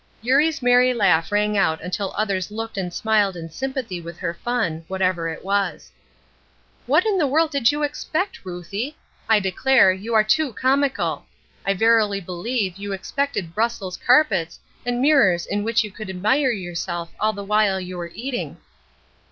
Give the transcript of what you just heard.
Eurie's merry laugh rang out until others looked and smiled in sympathy with her fun, whatever it was. "What in the world did you expect, Ruthie? I declare, you are too comical! I verily believe you expected Brussels carpets, and mirrors in which you could admire yourself all the while you were eating."